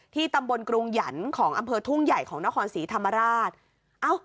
ตำบลกรุงหยันของอำเภอทุ่งใหญ่ของนครศรีธรรมราช